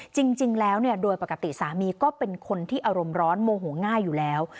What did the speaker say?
จริงแล้วโดยปกติสามีก็เป็นคนที่อารมณ์ร้อนโมโหง่ายอยู่แล้ว